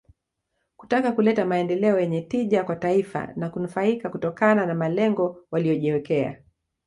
Kutaka kuleta maendeleo yenye tija kwa taifa na kunufaika kutokana na malengo waliyojiwekea